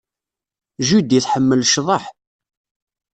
Judy tḥemmel ccḍeḥ.